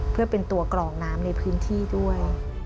เพื่อเป็นตัวกรองน้ำในพื้นที่ด้วย